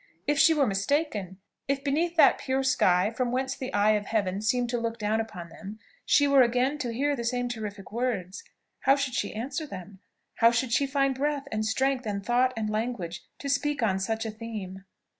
"If she were mistaken? if beneath that pure sky, from whence the eye of Heaven seemed to look down upon them, she were again to hear the same terrific words how should she answer them? How should she find breath, and strength, and thought, and language, to speak on such a theme?"